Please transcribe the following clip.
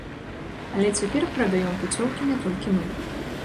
Але цяпер прадаём пуцёўкі не толькі мы.